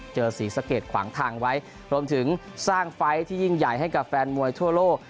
ศรีสะเกดขวางทางไว้รวมถึงสร้างไฟล์ที่ยิ่งใหญ่ให้กับแฟนมวยทั่วโลก